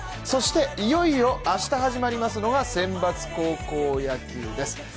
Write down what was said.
そして、いよいよ明日始まりますのが選抜高校野球です。